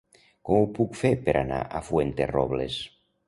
Com ho puc fer per anar a Fuenterrobles?